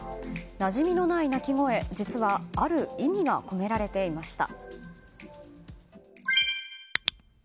なじみのない鳴き声、実はある意味が込められていました。